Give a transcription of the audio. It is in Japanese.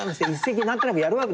何となくやるわけですよ。